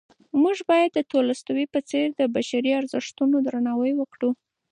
موږ باید د تولستوی په څېر د بشري ارزښتونو درناوی وکړو.